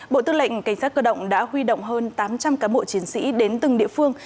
bộ tư lệnh cảnh sát cơ động đã huy động hơn tám trăm linh cán bộ chiến sĩ đến từng địa phương